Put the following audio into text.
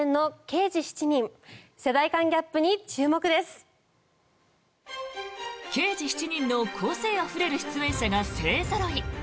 「刑事７人」の個性あふれる出演者が勢ぞろい。